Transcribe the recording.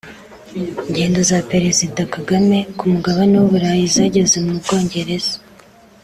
Ingendo za Perezida Kagame ku mugabane w’u Burayi zageze mu Bwongereza